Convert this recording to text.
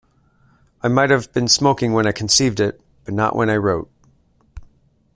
I might have been smoking when I conceived it, but not when I wrote.